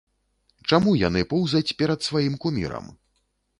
Чаму яны поўзаць перад сваім кумірам?